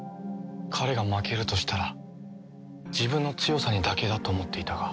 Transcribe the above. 彼が負けるとしたら自分の強さにだけだと思っていたが。